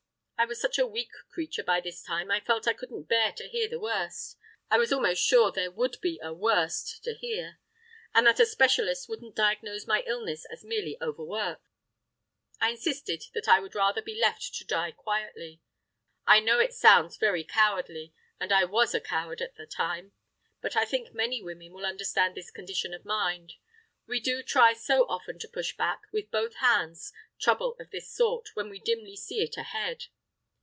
I was such a weak creature by this time, I felt I couldn't bear to hear the worst—I was almost sure there would be a "worst" to hear—and that a specialist wouldn't diagnose my illness as merely overwork. I insisted that I would rather be left to die quietly. I know it sounds very cowardly, and I was a coward at the time. But I think many women will understand this condition of mind; we do try so often to push back, with both our hands, trouble of this sort, when we dimly see it ahead.